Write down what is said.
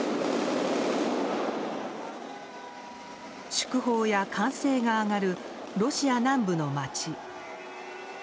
祝砲や歓声が上がるロシア南部の街。